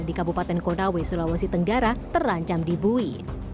di kabupaten konawe sulawesi tenggara terancam dibui